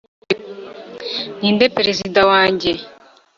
ninde perezida wanjye